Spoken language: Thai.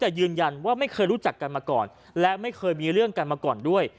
แต่ยืนยันว่าไม่เคยรู้จักกันมาก่อนและไม่เคยมีเรื่องกันมาก่อนด้วย